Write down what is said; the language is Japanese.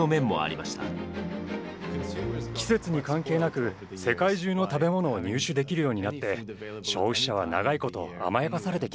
季節に関係なく世界中の食べ物を入手できるようになって消費者は長いこと甘やかされてきました。